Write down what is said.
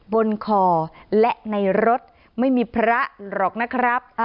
บนคอและในรถไม่มีพระหรอกนะครับ